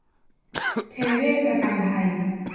เทเวศน์ประกันภัย